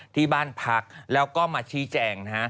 ที่บ้านพักแล้วก็มาชี้แจงนะฮะ